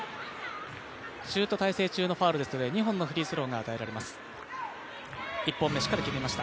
シュート体勢中のファウルですので、２本のフリースローが与えられます